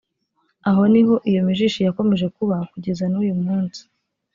aho ni ho iyo mijishi yakomeje kuba kugeza n’uyu munsi